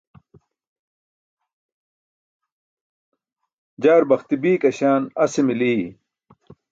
jaar baxti biik aśaan ase mili!